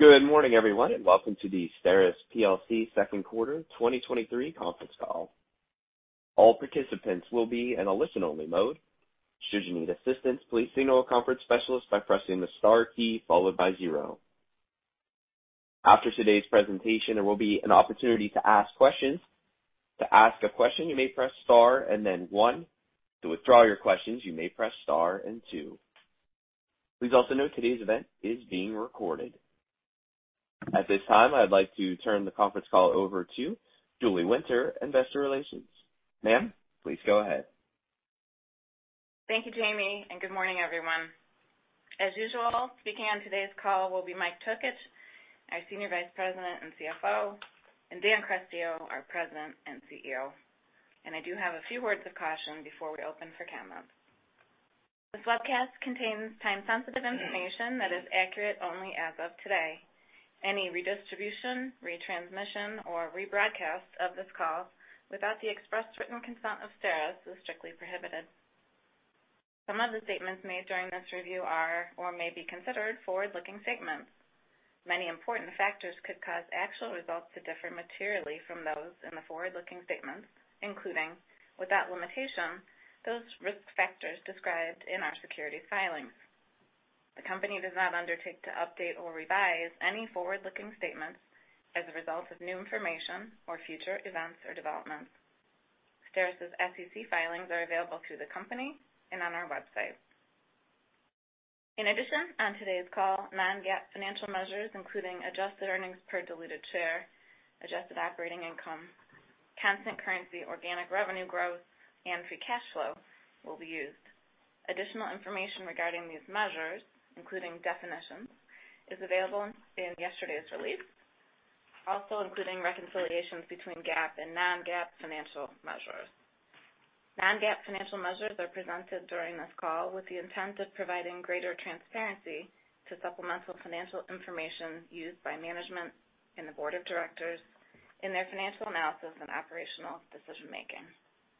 Good morning, everyone, and welcome to the STERIS plc second quarter 2023 conference call. All participants will be in a listen-only mode. Should you need assistance, please signal a conference specialist by pressing the star key followed by zero. After today's presentation, there will be an opportunity to ask questions. To ask a question, you may press star and then one. To withdraw your questions, you may press star and two. Please also note today's event is being recorded. At this time, I'd like to turn the conference call over to Julie Winter, Investor Relations. Ma'am, please go ahead. Thank you, Jamie, and good morning, everyone. As usual, speaking on today's call will be Mike Tokich, our Senior Vice President and CFO, and Dan Carestio, our President and CEO. I do have a few words of caution before we open for comments. This webcast contains time-sensitive information that is accurate only as of today. Any redistribution, retransmission, or rebroadcast of this call without the express written consent of STERIS is strictly prohibited. Some of the statements made during this review are or may be considered forward-looking statements. Many important factors could cause actual results to differ materially from those in the forward-looking statements, including, without limitation, those risk factors described in our security filings. The company does not undertake to update or revise any forward-looking statements as a result of new information or future events or developments. STERIS' SEC filings are available through the company and on our website. In addition, on today's call, non-GAAP financial measures, including adjusted earnings per diluted share, adjusted operating income, constant currency organic revenue growth, and free cash flow will be used. Additional information regarding these measures, including definitions, is available in yesterday's release, also including reconciliations between GAAP and non-GAAP financial measures. Non-GAAP financial measures are presented during this call with the intent of providing greater transparency to supplemental financial information used by management and the board of directors in their financial analysis and operational decision-making.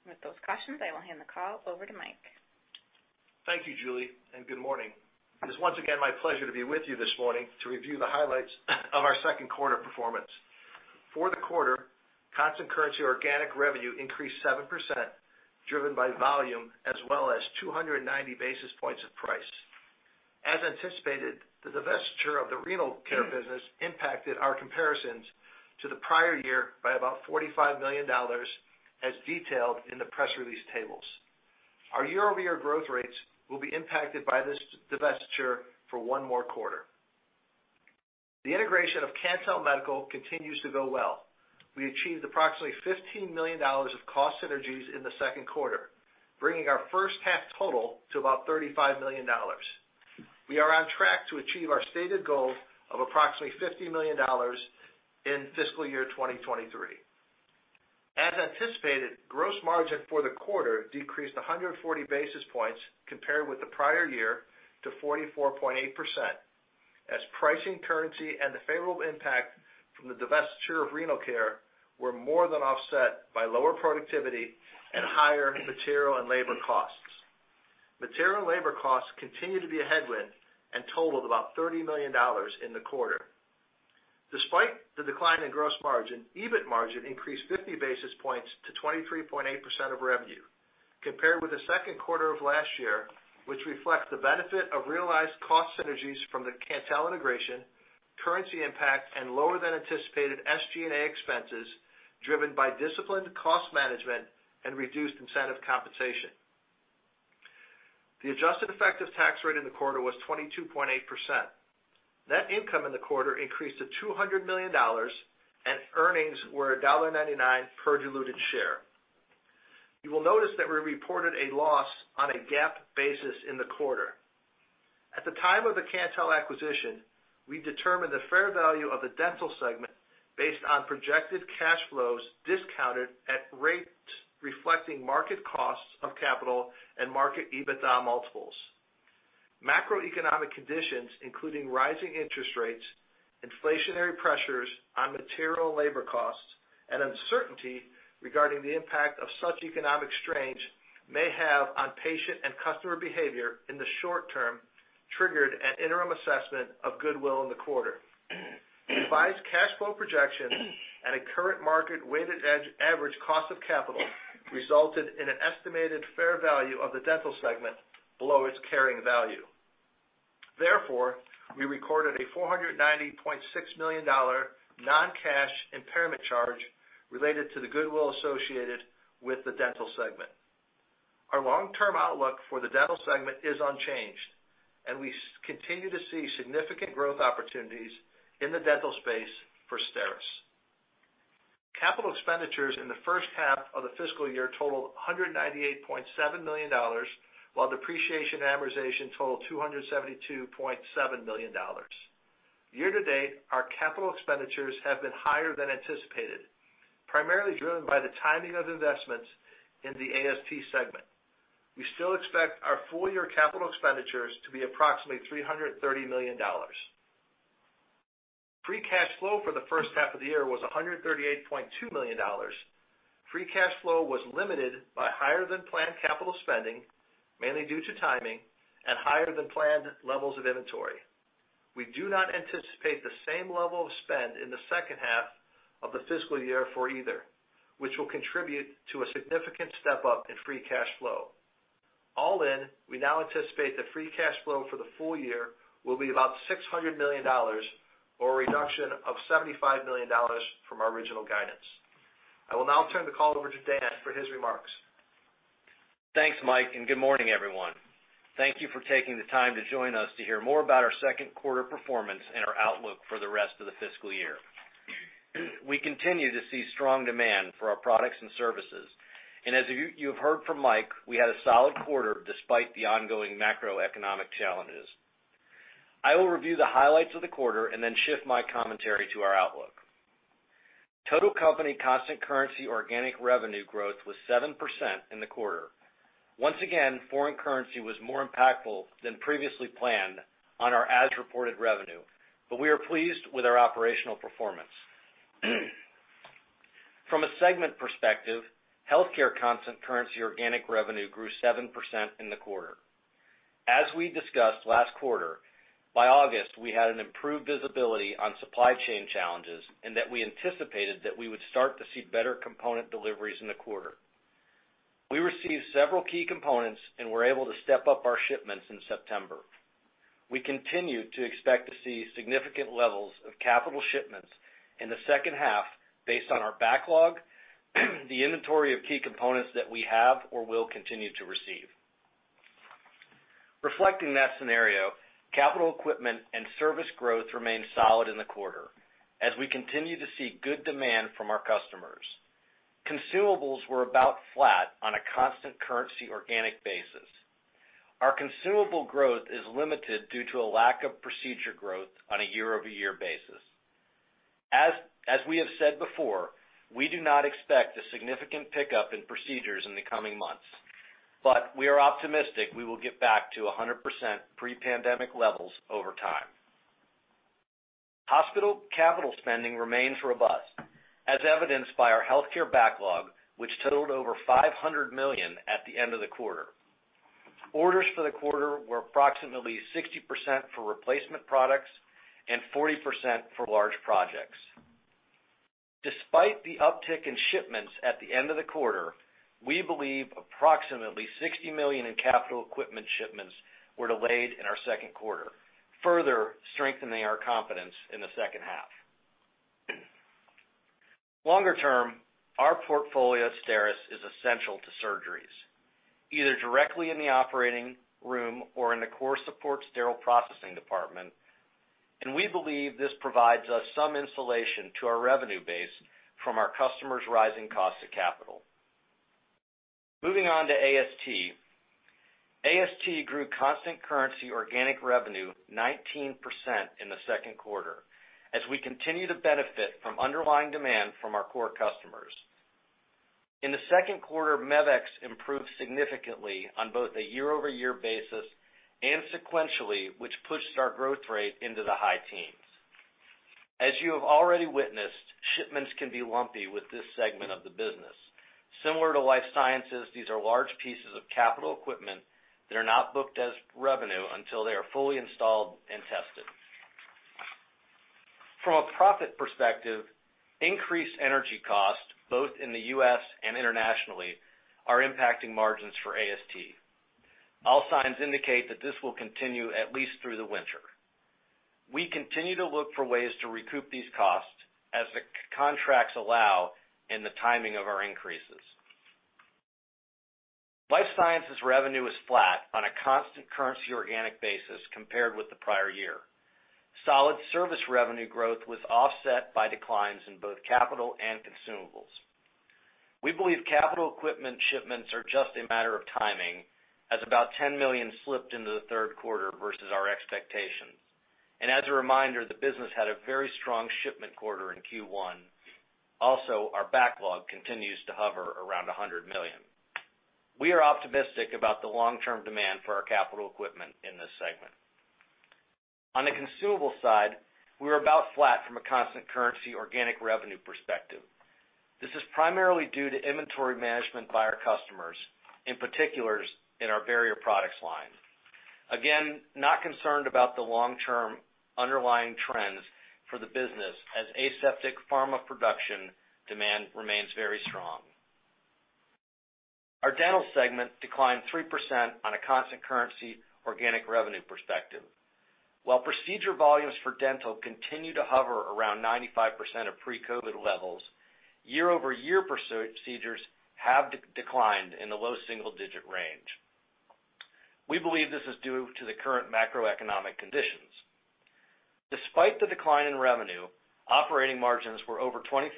With those cautions, I will hand the call over to Mike. Thank you, Julie, and good morning. It is once again my pleasure to be with you this morning to review the highlights of our second quarter performance. For the quarter, constant currency organic revenue increased 7%, driven by volume as well as 290 basis points of price. As anticipated, the divestiture of the renal care business impacted our comparisons to the prior year by about $45 million, as detailed in the press release tables. Our year-over-year growth rates will be impacted by this divestiture for one more quarter. The integration of Cantel Medical continues to go well. We achieved approximately $15 million of cost synergies in the second quarter, bringing our first half total to about $35 million. We are on track to achieve our stated goal of approximately $50 million in fiscal year 2023. As anticipated, gross margin for the quarter decreased 100 basis points compared with the prior year to 44.8% as pricing currency and the favorable impact from the divestiture of renal care were more than offset by lower productivity and higher material and labor costs. Material and labor costs continue to be a headwind and totaled about $30 million in the quarter. Despite the decline in gross margin, EBIT margin increased 50 basis points to 23.8% of revenue compared with the second quarter of last year, which reflects the benefit of realized cost synergies from the Cantel integration, currency impact, and lower than anticipated SG&A expenses driven by disciplined cost management and reduced incentive compensation. The adjusted effective tax rate in the quarter was 22.8%. Net income in the quarter increased to $200 million and earnings were $1.99 per diluted share. You will notice that we reported a loss on a GAAP basis in the quarter. At the time of the Cantel acquisition, we determined the fair value of the dental segment based on projected cash flows discounted at rates reflecting market costs of capital and market EBITDA multiples. Macroeconomic conditions, including rising interest rates, inflationary pressures on material and labor costs, and uncertainty regarding the impact of such economic strains may have on patient and customer behavior in the short term triggered an interim assessment of goodwill in the quarter. Revised cash flow projections and a current market weighted average cost of capital resulted in an estimated fair value of the dental segment below its carrying value. Therefore, we recorded a $490.6 million non-cash impairment charge related to the goodwill associated with the dental segment. Our long-term outlook for the dental segment is unchanged, and we continue to see significant growth opportunities in the dental space for STERIS. Capital expenditures in the first half of the fiscal year totaled $198.7 million, while depreciation and amortization totaled $272.7 million. Year to date, our capital expenditures have been higher than anticipated, primarily driven by the timing of investments in the AST segment. We still expect our full-year capital expenditures to be approximately $330 million. Free cash flow for the first half of the year was $138.2 million. Free cash flow was limited by higher than planned capital spending, mainly due to timing and higher than planned levels of inventory. We do not anticipate the same level of spend in the second half of the fiscal year for either, which will contribute to a significant step-up in free cash flow. All in, we now anticipate the free cash flow for the full year will be about $600 million, or a reduction of $75 million from our original guidance. I will now turn the call over to Dan for his remarks. Thanks, Mike, and good morning everyone. Thank you for taking the time to join us to hear more about our second quarter performance and our outlook for the rest of the fiscal year. We continue to see strong demand for our products and services, and as you have heard from Mike, we had a solid quarter despite the ongoing macroeconomic challenges. I will review the highlights of the quarter and then shift my commentary to our outlook. Total company constant currency organic revenue growth was 7% in the quarter. Once again, foreign currency was more impactful than previously planned on our as-reported revenue, but we are pleased with our operational performance. From a segment perspective, healthcare constant currency organic revenue grew 7% in the quarter. As we discussed last quarter, by August, we had an improved visibility on supply chain challenges, and that we anticipated that we would start to see better component deliveries in the quarter. We received several key components and were able to step up our shipments in September. We continue to expect to see significant levels of capital shipments in the second half based on our backlog, the inventory of key components that we have or will continue to receive. Reflecting that scenario, capital equipment and service growth remained solid in the quarter as we continue to see good demand from our customers. Consumables were about flat on a constant currency organic basis. Our consumable growth is limited due to a lack of procedure growth on a year-over-year basis. We have said before, we do not expect a significant pickup in procedures in the coming months, but we are optimistic we will get back to 100% pre-pandemic levels over time. Hospital capital spending remains robust, as evidenced by our healthcare backlog, which totaled over $500 million at the end of the quarter. Orders for the quarter were approximately 60% for replacement products and 40% for large projects. Despite the uptick in shipments at the end of the quarter, we believe approximately $60 million in capital equipment shipments were delayed in our second quarter, further strengthening our confidence in the second half. Longer term, our portfolio of STERIS is essential to surgeries, either directly in the operating room or in the core support sterile processing department, and we believe this provides us some insulation to our revenue base from our customers' rising cost of capital. Moving on to AST. AST grew constant currency organic revenue 19% in the second quarter as we continue to benefit from underlying demand from our core customers. In the second quarter, Mevex improved significantly on both a year-over-year basis and sequentially, which pushed our growth rate into the high teens. As you have already witnessed, shipments can be lumpy with this segment of the business. Similar to life sciences, these are large pieces of capital equipment that are not booked as revenue until they are fully installed and tested. From a profit perspective, increased energy costs, both in the U.S. and internationally, are impacting margins for AST. All signs indicate that this will continue at least through the winter. We continue to look for ways to recoup these costs as the contracts allow in the timing of our increases. Life Sciences revenue is flat on a constant currency organic basis compared with the prior year. Solid service revenue growth was offset by declines in both capital and consumables. We believe capital equipment shipments are just a matter of timing as about $10 million slipped into the third quarter versus our expectations. As a reminder, the business had a very strong shipment quarter in Q1. Also, our backlog continues to hover around 100 million. We are optimistic about the long-term demand for our capital equipment in this segment. On the consumable side, we were about flat from a constant currency organic revenue perspective. This is primarily due to inventory management by our customers, in particular in our barrier products line. Again, not concerned about the long-term underlying trends for the business as aseptic pharma production demand remains very strong. Our dental segment declined 3% on a constant currency organic revenue perspective. While procedure volumes for dental continue to hover around 95% of pre-COVID levels, year-over-year procedures have declined in the low single digit range. We believe this is due to the current macroeconomic conditions. Despite the decline in revenue, operating margins were over 25%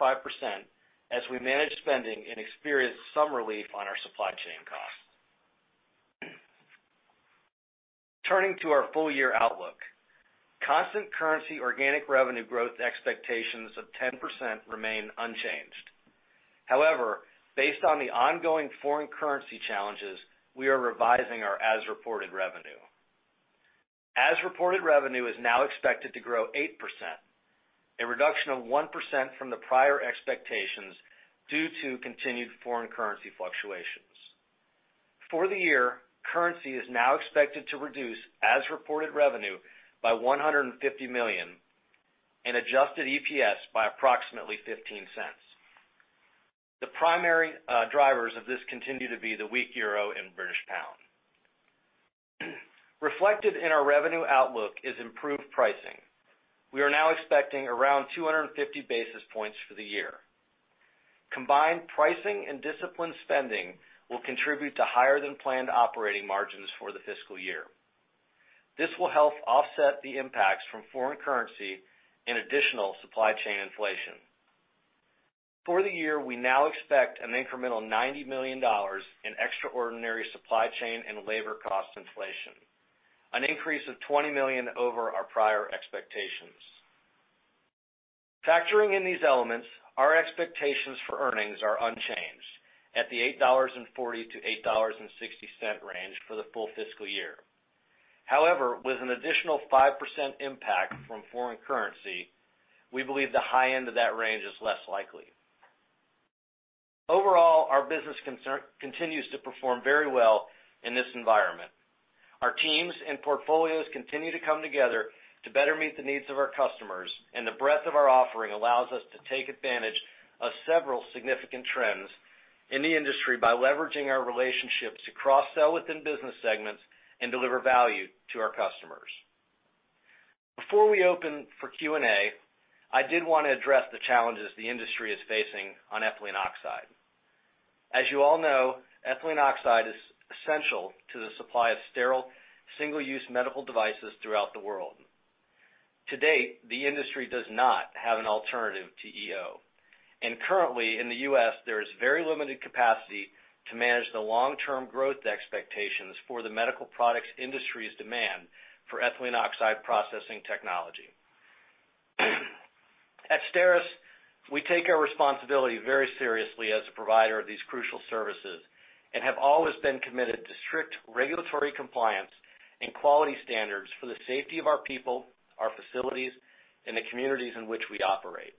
as we managed spending and experienced some relief on our supply chain costs. Turning to our full-year outlook. Constant currency organic revenue growth expectations of 10% remain unchanged. However, based on the ongoing foreign currency challenges, we are revising our as-reported revenue. As-reported revenue is now expected to grow 8%, a reduction of 1% from the prior expectations due to continued foreign currency fluctuations. For the year, currency is now expected to reduce as-reported revenue by $150 million and adjusted EPS by approximately $0.15. The primary drivers of this continue to be the weak euro and British pound. Reflected in our revenue outlook is improved pricing. We are now expecting around 250 basis points for the year. Combined pricing and disciplined spending will contribute to higher than planned operating margins for the fiscal year. This will help offset the impacts from foreign currency and additional supply chain inflation. For the year, we now expect an incremental $90 million in extraordinary supply chain and labor cost inflation, an increase of $20 million over our prior expectations. Factoring in these elements, our expectations for earnings are unchanged at the $8.40-$8.60 range for the full fiscal year. However, with an additional 5% impact from foreign currency, we believe the high end of that range is less likely. Overall, our business concern continues to perform very well in this environment. Our teams and portfolios continue to come together to better meet the needs of our customers, and the breadth of our offering allows us to take advantage of several significant trends in the industry by leveraging our relationships to cross-sell within business segments and deliver value to our customers. Before we open for Q&A, I did want to address the challenges the industry is facing on ethylene oxide. As you all know, ethylene oxide is essential to the supply of sterile, single-use medical devices throughout the world. To date, the industry does not have an alternative to EO, and currently in the U.S., there is very limited capacity to manage the long-term growth expectations for the medical products industry's demand for ethylene oxide processing technology. At STERIS, we take our responsibility very seriously as a provider of these crucial services and have always been committed to strict regulatory compliance and quality standards for the safety of our people, our facilities, and the communities in which we operate.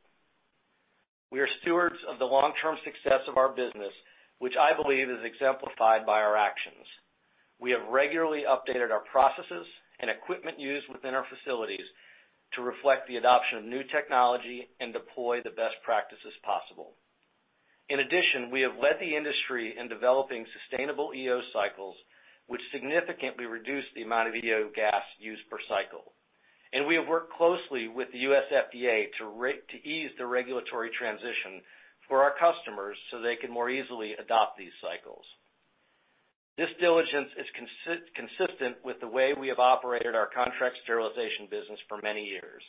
We are stewards of the long-term success of our business, which I believe is exemplified by our actions. We have regularly updated our processes and equipment used within our facilities to reflect the adoption of new technology and deploy the best practices possible. In addition, we have led the industry in developing sustainable EO cycles, which significantly reduce the amount of EO gas used per cycle. We have worked closely with the U.S. FDA to ease the regulatory transition for our customers so they can more easily adopt these cycles. This diligence is consistent with the way we have operated our contract sterilization business for many years.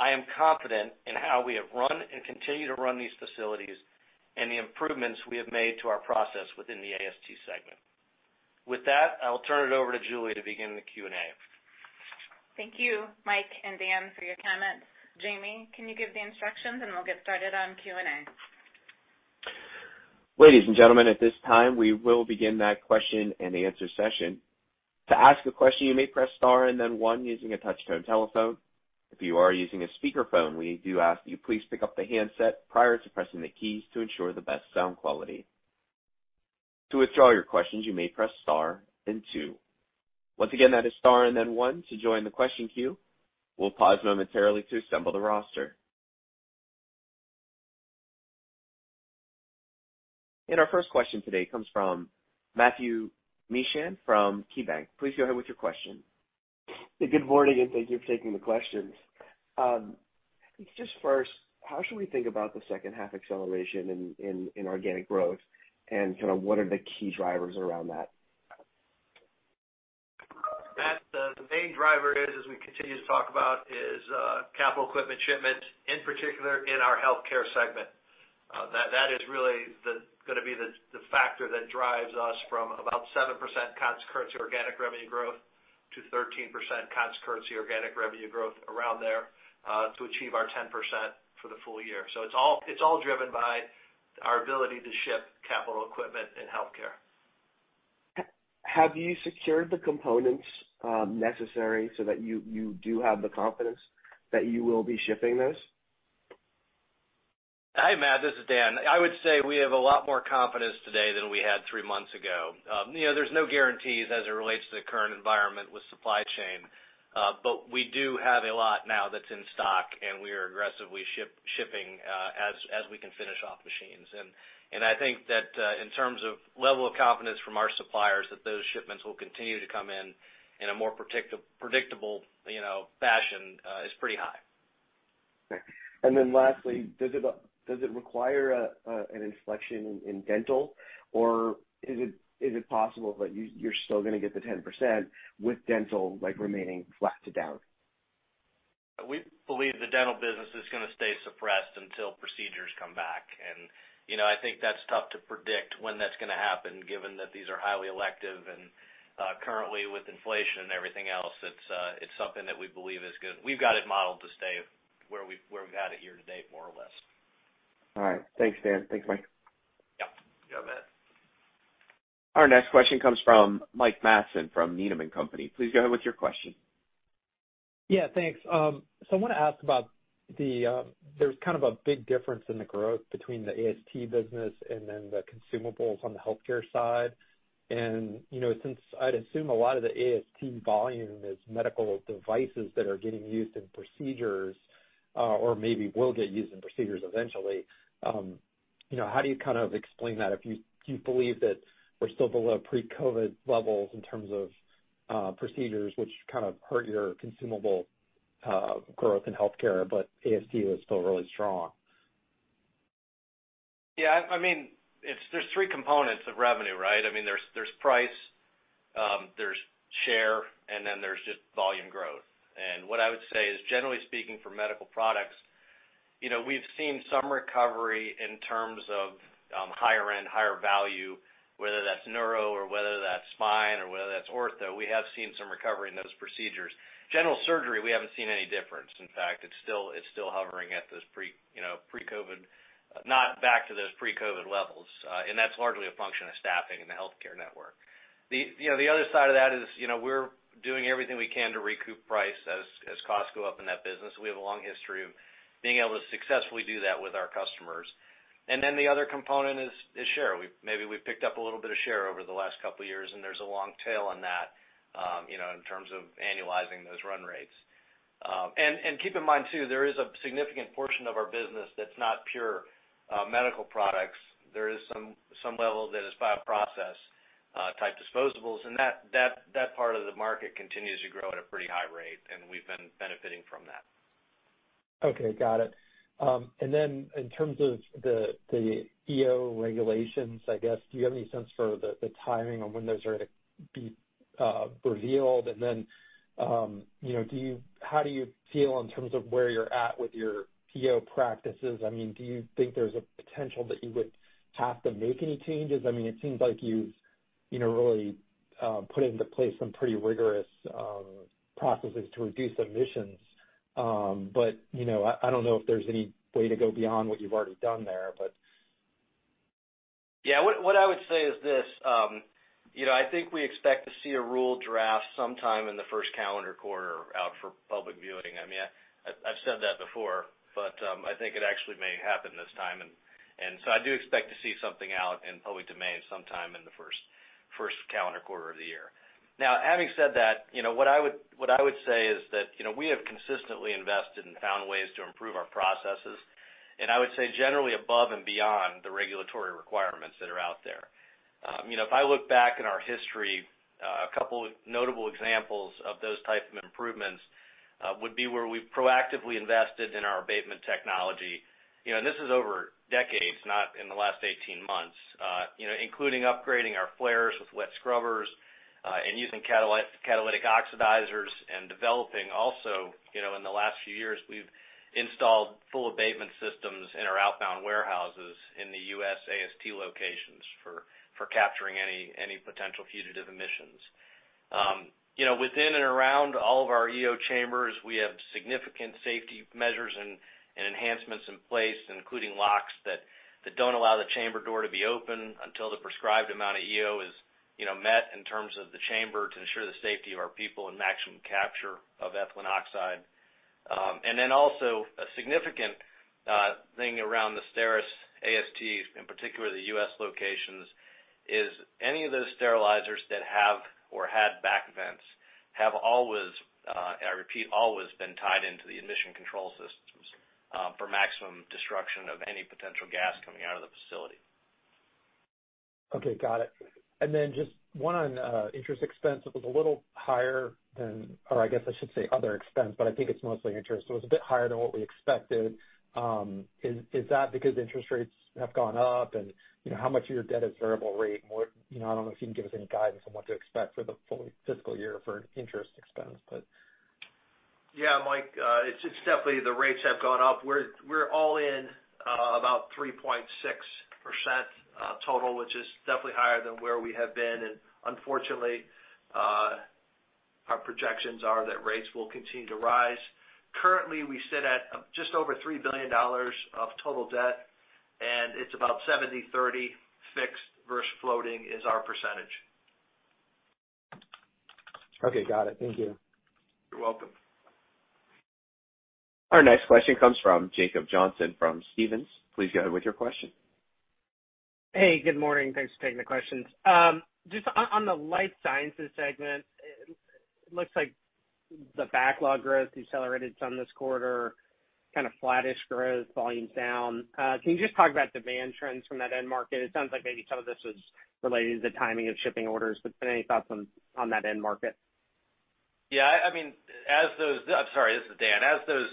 I am confident in how we have run and continue to run these facilities and the improvements we have made to our process within the AST segment. With that, I will turn it over to Julie to begin the Q&A. Thank you, Mike and Dan, for your comments. Jamie, can you give the instructions and we'll get started on Q&A. Ladies and gentlemen, at this time, we will begin that question-and-answer session. To ask a question, you may press star and then one using a touch-tone telephone. If you are using a speakerphone, we do ask that you please pick up the handset prior to pressing the keys to ensure the best sound quality. To withdraw your questions, you may press star and two. Once again, that is star and then one to join the question queue. We'll pause momentarily to assemble the roster. Our first question today comes from Matthew Mishan from KeyBanc. Please go ahead with your question. Good morning, and thank you for taking the questions. Just first, how should we think about the second half acceleration in organic growth? Kinda what are the key drivers around that? Matt, the main driver is, as we continue to talk about, capital equipment shipments, in particular in our healthcare segment. That is really gonna be the factor that drives us from about 7% constant currency organic revenue growth to 13% constant currency organic revenue growth around there to achieve our 10% for the full year. It's all driven by our ability to ship capital equipment in healthcare. Have you secured the components necessary so that you do have the confidence that you will be shipping those? Hi, Matt, this is Dan. I would say we have a lot more confidence today than we had three months ago. You know, there's no guarantees as it relates to the current environment with supply chain, but we do have a lot now that's in stock, and we are aggressively shipping as we can finish off machines. I think that in terms of level of confidence from our suppliers that those shipments will continue to come in in a more predictable, you know, fashion is pretty high. Then lastly, does it require an inflection in dental? Or is it possible that you're still gonna get the 10% with dental, like, remaining flat to down? We believe the dental business is gonna stay suppressed until procedures come back. You know, I think that's tough to predict when that's gonna happen, given that these are highly elective. Currently with inflation and everything else, it's something that we believe is gonna. We've got it modeled to stay where we've had it year to date, more or less. All right. Thanks, Dan. Thanks, Mike. Our next question comes from Mike Matson from Needham & Co. Please go ahead with your question. Yeah, thanks. I wanna ask about the, there's kind of a big difference in the growth between the AST business and then the consumables on the healthcare side. You know, since I'd assume a lot of the AST volume is medical devices that are getting used in procedures, or maybe will get used in procedures eventually, you know, how do you kind of explain that if you do you believe that we're still below pre-COVID levels in terms of procedures which kind of hurt your consumable growth in healthcare, but AST was still really strong? Yeah, I mean, there are three components of revenue, right? I mean, there's price, there's share, and then there's just volume growth. What I would say is, generally speaking for medical products, you know, we've seen some recovery in terms of higher end, higher value, whether that's neuro or whether that's spine or whether that's ortho, we have seen some recovery in those procedures. General surgery, we haven't seen any difference. In fact, it's still hovering at those pre-COVID levels, not back to those pre-COVID levels. That's largely a function of staffing in the healthcare network. You know, the other side of that is, you know, we're doing everything we can to recoup price as costs go up in that business. We have a long history of being able to successfully do that with our customers. The other component is share. Maybe we've picked up a little bit of share over the last couple years, and there's a long tail on that, you know, in terms of annualizing those run rates. Keep in mind too, there is a significant portion of our business that's not pure medical products. There is some level that is bioprocess type disposables, and that part of the market continues to grow at a pretty high rate, and we've been benefiting from that. Okay, got it. In terms of the EO regulations, I guess, do you have any sense for the timing on when those are to be revealed? You know, how do you feel in terms of where you're at with your EO practices? I mean, do you think there's a potential that you would have to make any changes? I mean, it seems like you've, you know, really put into place some pretty rigorous processes to reduce emissions. But you know, I don't know if there's any way to go beyond what you've already done there, but. What I would say is this, you know, I think we expect to see a rule draft sometime in the first calendar quarter out for public viewing. I mean, I've said that before, but I think it actually may happen this time. I do expect to see something out in public domain sometime in the first calendar quarter of the year. Now having said that, you know, what I would say is that, you know, we have consistently invested and found ways to improve our processes, and I would say generally above and beyond the regulatory requirements that are out there. You know, if I look back in our history, a couple notable examples of those type of improvements would be where we've proactively invested in our abatement technology, you know, and this is over decades, not in the last 18 months, you know, including upgrading our flares with wet scrubbers, and using catalytic oxidizers and developing also, you know, in the last few years, we've installed full abatement systems in our outbound warehouses in the U.S. AST locations for capturing any potential fugitive emissions. You know, within and around all of our EO chambers, we have significant safety measures and enhancements in place, including locks that don't allow the chamber door to be open until the prescribed amount of EO is, you know, met in terms of the chamber to ensure the safety of our people and maximum capture of ethylene oxide. Also a significant thing around the STERIS AST, in particular the U.S. locations, is any of those sterilizers that have or had back vents have always, and I repeat, always been tied into the emission control systems, for maximum destruction of any potential gas coming out of the facility. Okay, got it. Just one on interest expense. It was a little higher than, or I guess I should say other expense, but I think it's mostly interest, so it was a bit higher than what we expected. Is that because interest rates have gone up and, you know, how much of your debt is variable rate and what, you know, I don't know if you can give us any guidance on what to expect for the full fiscal year for interest expense, but. Yeah, Mike, it's definitely the rates have gone up. We're all in about 3.6% total, which is definitely higher than where we have been. Unfortunately, our projections are that rates will continue to rise. Currently, we sit at just over $3 billion of total debt, and it's about 70-30 fixed versus floating is our percentage. Okay, got it. Thank you. You're welcome. Our next question comes from Jacob Johnson from Stephens. Please go ahead with your question. Hey, good morning. Thanks for taking the questions. Just on the life sciences segment, it looks like the backlog growth decelerated some this quarter, kind of flattish growth, volume's down. Can you just talk about demand trends from that end market? It sounds like maybe some of this was related to the timing of shipping orders, but any thoughts on that end market? Yeah. I'm sorry, this is Dan. As those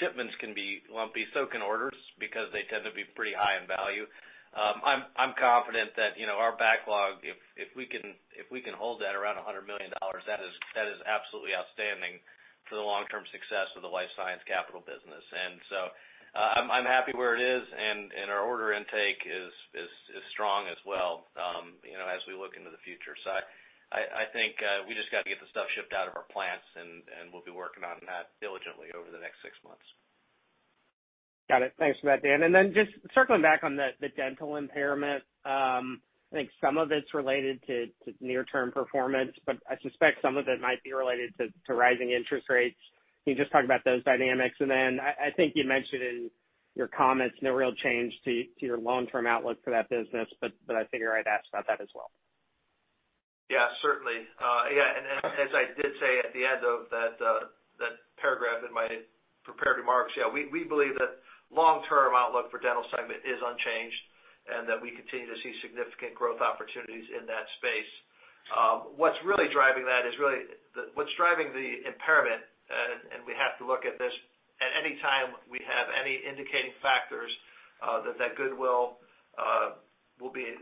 shipments can be lumpy, so can orders because they tend to be pretty high in value. I'm confident that, you know, our backlog, if we can hold that around $100 million, that is absolutely outstanding for the long-term success of the life science capital business. I'm happy where it is and our order intake is strong as well, you know, as we look into the future. I think we just gotta get the stuff shipped out of our plants and we'll be working on that diligently over the next six months. Got it. Thanks for that, Dan. Just circling back on the dental impairment, I think some of it's related to near-term performance, but I suspect some of it might be related to rising interest rates. Can you just talk about those dynamics? I think you mentioned in your comments no real change to your long-term outlook for that business, but I figure I'd ask about that as well. Yeah, certainly. Yeah, as I did say at the end of that paragraph in my prepared remarks, yeah, we believe that long-term outlook for dental segment is unchanged, and that we continue to see significant growth opportunities in that space. What's really driving that is what's driving the impairment, and we have to look at this at any time we have any indicating factors that goodwill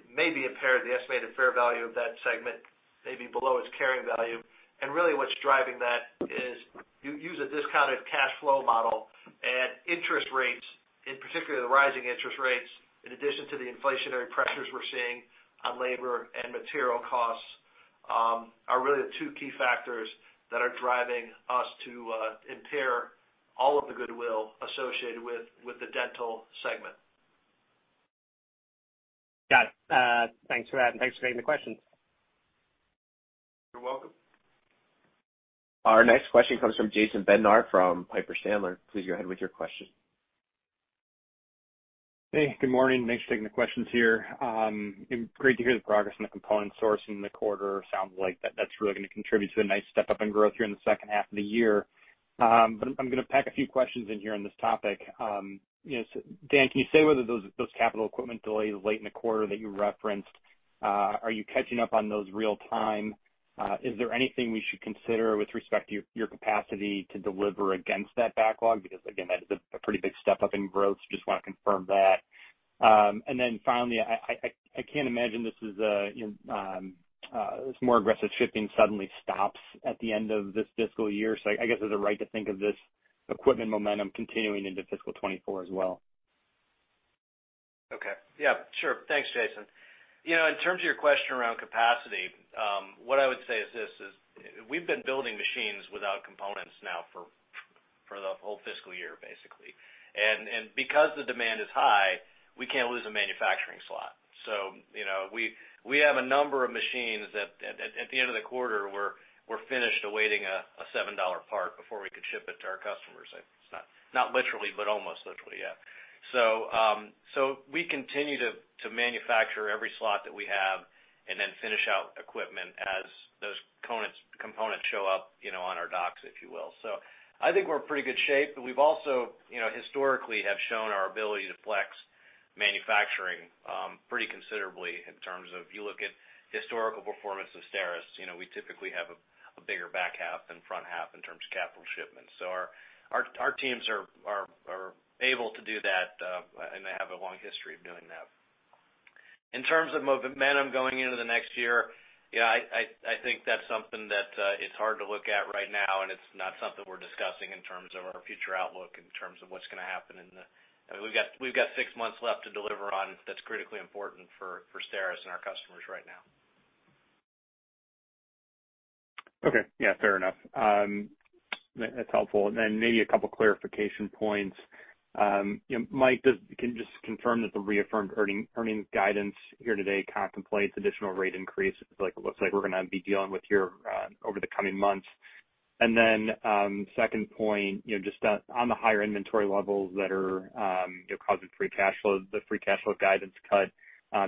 may be impaired. The estimated fair value of that segment may be below its carrying value. Really, what's driving that is you use a discounted cash flow model, and interest rates, in particular, the rising interest rates, in addition to the inflationary pressures we're seeing on labor and material costs, are really the two key factors that are driving us to impair all of the goodwill associated with the dental segment. Got it. Thanks for that, and thanks for taking the question. You're welcome. Our next question comes from Jason Bednar from Piper Sandler. Please go ahead with your question. Hey, good morning. Thanks for taking the questions here. Great to hear the progress on the component source in the quarter. Sounds like that's really gonna contribute to the nice step up in growth here in the second half of the year. I'm gonna pack a few questions in here on this topic. You know, Dan, can you say whether those capital equipment delays late in the quarter that you referenced are you catching up on those real time? Is there anything we should consider with respect to your capacity to deliver against that backlog? Because, again, that is a pretty big step up in growth, so just wanna confirm that. Finally, I can't imagine this is, you know, this more aggressive shipping suddenly stops at the end of this fiscal year. I guess is it right to think of this equipment momentum continuing into fiscal 2024 as well? Okay. Yeah, sure. Thanks, Jason. You know, in terms of your question around capacity, what I would say is this, we've been building machines without components now for the whole fiscal year, basically. Because the demand is high, we can't lose a manufacturing slot. You know, we have a number of machines that at the end of the quarter were finished awaiting a $7 part before we could ship it to our customers. It's not literally, but almost literally, yeah. We continue to manufacture every slot that we have and then finish out equipment as those components show up, you know, on our docks, if you will. I think we're in pretty good shape, but we've also, you know, historically have shown our ability to flex manufacturing pretty considerably in terms of you look at historical performance of STERIS, you know, we typically have a bigger back half than front half in terms of capital shipments. Our teams are able to do that, and they have a long history of doing that. In terms of momentum going into the next year, you know, I think that's something that is hard to look at right now, and it's not something we're discussing in terms of our future outlook in terms of what's gonna happen in the. I mean, we've got six months left to deliver on that's critically important for STERIS and our customers right now. Okay. Yeah, fair enough. That's helpful. Then maybe a couple clarification points. You know, Mike, can you just confirm that the reaffirmed earnings guidance here today contemplates additional rate increases like it looks like we're gonna be dealing with here over the coming months? Second point, you know, just on the higher inventory levels that are you know causing the free cash flow guidance cut,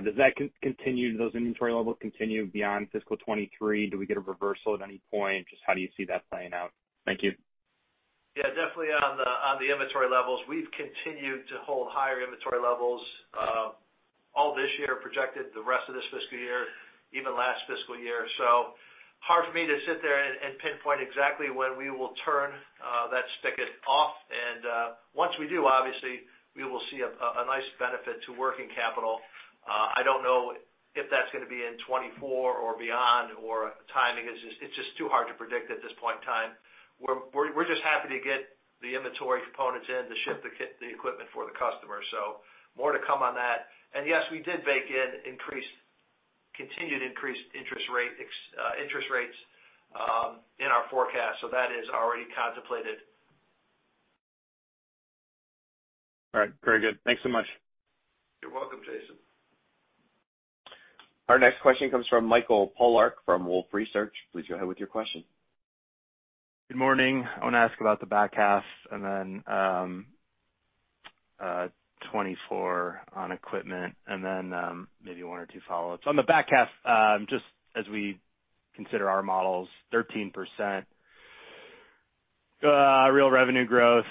do those inventory levels continue beyond fiscal 2023? Do we get a reversal at any point? Just how do you see that playing out? Thank you. Yeah, definitely on the inventory levels, we've continued to hold higher inventory levels all this year, projected the rest of this fiscal year, even last fiscal year. Hard for me to sit there and pinpoint exactly when we will turn that spigot off. Once we do, obviously, we will see a nice benefit to working capital. I don't know if that's gonna be in 2024 or beyond, or timing is just too hard to predict at this point in time. We're just happy to get the inventory components in to ship the equipment for the customer. More to come on that. Yes, we did bake in continued increased interest rates in our forecast. That is already contemplated. All right, very good. Thanks so much. You're welcome, Jason. Our next question comes from Michael Polark from Wolfe Research. Please go ahead with your question. Good morning. I wanna ask about the back half and then 2024 on equipment and then maybe one or two follow-ups. On the back half, just as we consider our models, 13% real revenue growth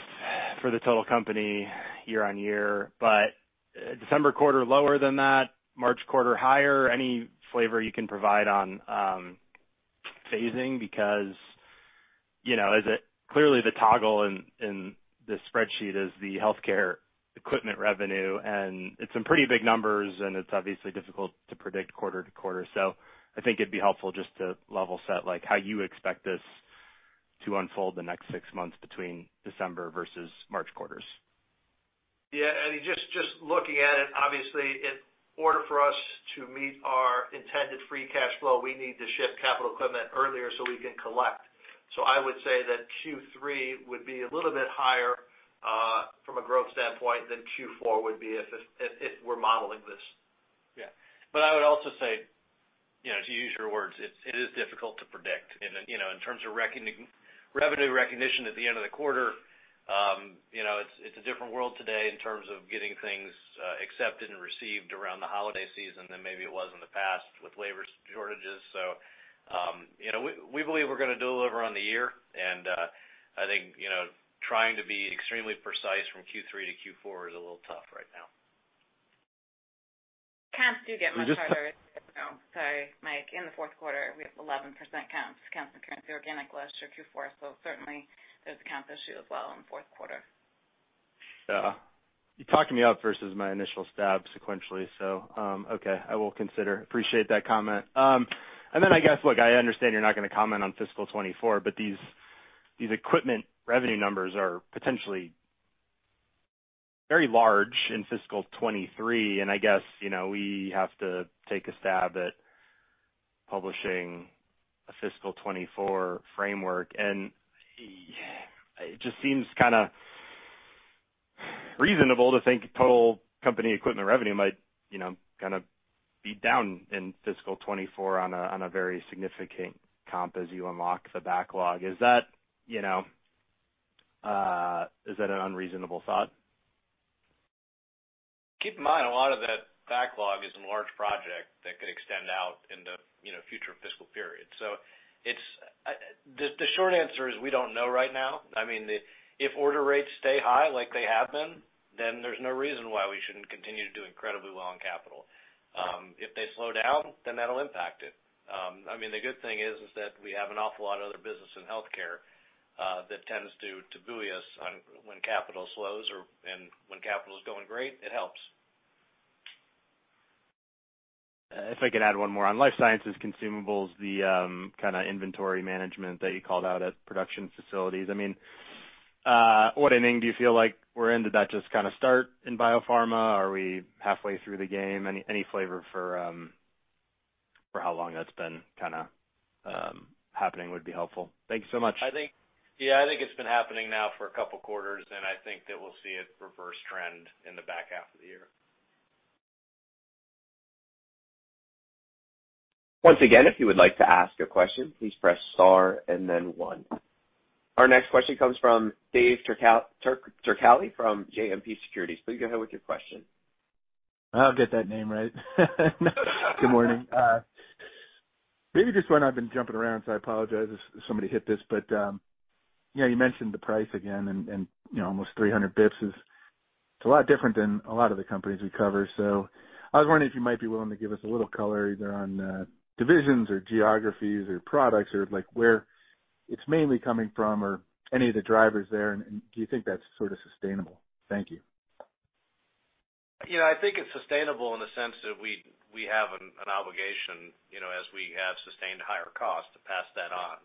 for the total company year-over-year. But December quarter lower than that, March quarter higher. Any flavor you can provide on phasing? Because you know, clearly the toggle in this spreadsheet is the healthcare equipment revenue, and it's some pretty big numbers and it's obviously difficult to predict quarter to quarter. So I think it'd be helpful just to level set, like, how you expect this to unfold the next six months between December versus March quarters. Yeah, I mean, just looking at it, obviously, in order for us to meet our intended free cash flow, we need to ship capital equipment earlier so we can collect. I would say that Q3 would be a little bit higher from a growth standpoint than Q4 would be if we're modeling this. Yeah. I would also say, you know, to use your words, it is difficult to predict. You know, in terms of revenue recognition at the end of the quarter, you know, it's a different world today in terms of getting things accepted and received around the holiday season than maybe it was in the past with labor shortages. You know, we believe we're gonna deliver on the year and I think, you know, trying to be extremely precise from Q3 to Q4 is a little tough right now. Counts do get much higher. Can you just- Oh, sorry, Mike. In the fourth quarter we have 11% constant currency organic less for Q4. Certainly there's a currency issue as well in fourth quarter. Yeah. You talked me up versus my initial stab sequentially, so, okay, I will consider. Appreciate that comment. I guess look, I understand you're not gonna comment on fiscal 2024, but these equipment revenue numbers are potentially very large in fiscal 2023. I guess, you know, we have to take a stab at publishing a fiscal 2024 framework and it just seems kinda reasonable to think total company equipment revenue might, you know, kind of be down in fiscal 2024 on a very significant comp as you unlock the backlog. Is that, you know, is that an unreasonable thought? Keep in mind, a lot of that backlog is in large projects that could extend out into, you know, future fiscal periods. The short answer is we don't know right now. I mean, if order rates stay high like they have been, then there's no reason why we shouldn't continue to do incredibly well on capital. If they slow down, then that'll impact it. I mean, the good thing is that we have an awful lot of other business in healthcare that tends to buoy us up when capital slows and when capital is going great, it helps. If I could add one more. On life sciences consumables, the kind of inventory management that you called out at production facilities. I mean, what inning do you feel like we're in? Did that just kind of start in biopharma? Are we halfway through the game? Any flavor for how long that's been kinda happening would be helpful. Thank you so much. I think it's been happening now for a couple quarters, and I think that we'll see it reverse trend in the back half of the year. Once again, if you would like to ask a question, please press star and then one. Our next question comes from Dave Turkaly from JMP Securities. Please go ahead with your question. I'll get that name right. Good morning. Maybe just why we've been jumping around, so I apologize if somebody missed this, but yeah, you mentioned the price again and you know, almost 300 basis points is a lot different than a lot of the companies we cover. I was wondering if you might be willing to give us a little color either on divisions or geographies or products or like where it's mainly coming from or any of the drivers there, and do you think that's sort of sustainable? Thank you. You know, I think it's sustainable in the sense that we have an obligation, you know, as we have sustained higher costs to pass that on,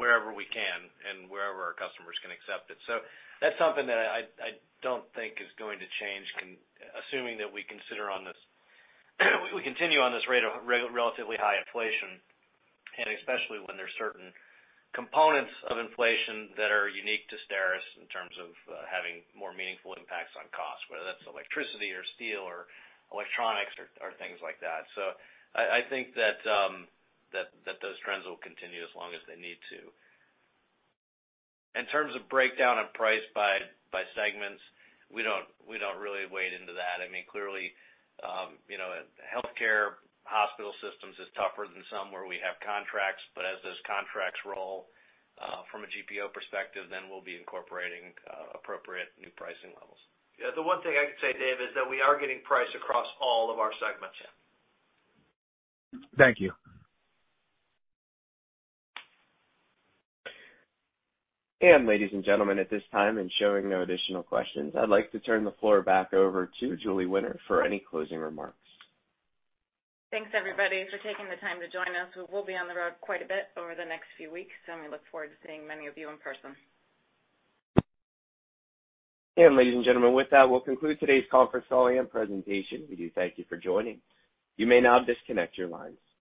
wherever we can and wherever our customers can accept it. That's something that I don't think is going to change assuming we continue on this rate of relatively high inflation and especially when there's certain components of inflation that are unique to STERIS in terms of, having more meaningful impacts on costs, whether that's electricity or steel or electronics or things like that. I think that those trends will continue as long as they need to. In terms of breakdown of price by segments, we don't really weigh into that. I mean, clearly, you know, healthcare hospital systems is tougher than somewhere we have contracts, but as those contracts roll from a GPO perspective, then we'll be incorporating appropriate new pricing levels. Yeah. The one thing I can say, Dave, is that we are getting price across all of our segments. Thank you. Ladies and gentlemen, at this time, and showing no additional questions, I'd like to turn the floor back over to Julie Winter for any closing remarks. Thanks, everybody, for taking the time to join us. We will be on the road quite a bit over the next few weeks, and we look forward to seeing many of you in person. Ladies and gentlemen, with that, we'll conclude today's conference call and presentation. We do thank you for joining. You may now disconnect your lines.